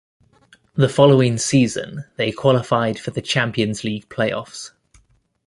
The following season, they qualified for the Champions League play-offs.